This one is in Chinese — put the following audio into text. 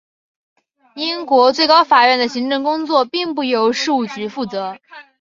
英国最高法院的行政工作并不由事务局负责。